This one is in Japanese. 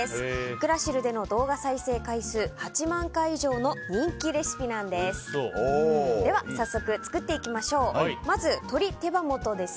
クラシルでの動画再生回数８万回以上の人気レシピなんです。